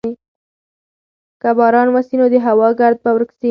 که باران وسي نو د هوا ګرد به ورک سي.